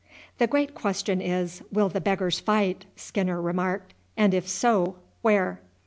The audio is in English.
"The great question is, will the beggars fight?" Skinner remarked; "and if so, where?"